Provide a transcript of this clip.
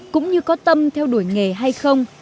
cũng như có tâm theo đuổi nghề hay không